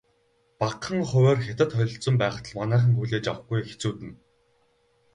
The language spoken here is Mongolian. Багахан хувиар Хятад холилдсон байхад л манайхан хүлээж авахгүй хэцүүднэ.